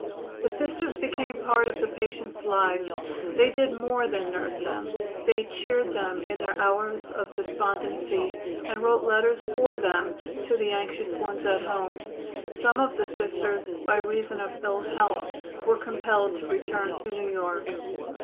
The Sisters became part of the patients' lives. They did more than nurse them. They cheered them in their hours of despondency, and wrote letters for them to the anxious ones at home. Some of the Sisters, by reason of ill health, were compelled to return to New York.